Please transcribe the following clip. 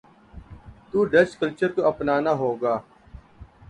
تو Dutch culture کو اپنا نا ہو گا۔